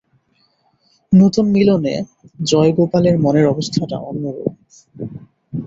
নূতন মিলনে জয়গোপালের মনের অবস্থাটা অন্যরূপ।